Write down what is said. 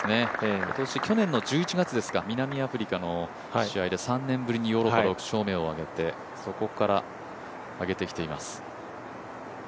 去年の１１月ですか南アフリカの試合で３年ぶりにヨーロッパ６勝目を挙げてそこから上げてきています。